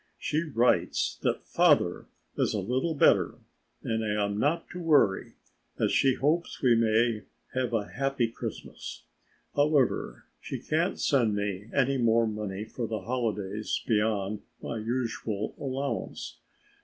She writes that father is a little better and I am not to worry and she hopes we may have a happy Christmas. However, she can't send me any more money for the holidays beyond my usual allowance.